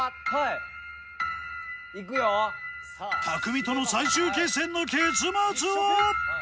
匠との最終決戦の結末は？